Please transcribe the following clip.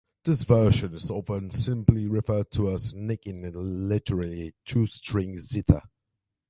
This version is often simply referred to as "nigenkin", literally "two-string zither".